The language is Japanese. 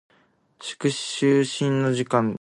就寝の準備です。